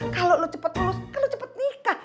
kalau lo cepet lulus kan lo cepet nikah